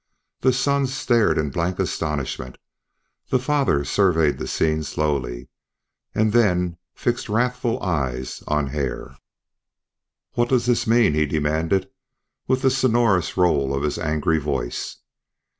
The sons stared in blank astonishment; the father surveyed the scene slowly, and then fixed wrathful eyes on Hare. "What does this mean?" he demanded, with the sonorous roll of his angry voice.